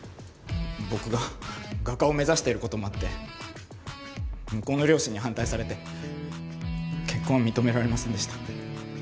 僕が画家を目指していることもあって向こうの両親に反対されて結婚は認められませんでした。